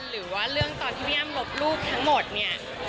หรือว่าเรื่องตอนที่พี่อ้ำลบรูปทั้งหมดเนี่ย